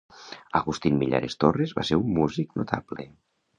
Agustín Millares Torres va ser un músic notable.